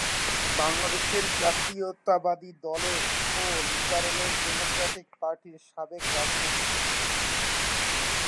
বাংলাদেশ জাতীয়তাবাদী দলের ও লিবারেল ডেমোক্র্যাটিক পার্টির সাবেক রাজনীতিবিদ।